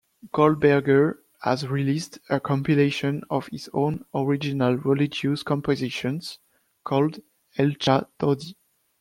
Goldberger has released a compilation of his own, original religious compositions, called "L'cha Dodi".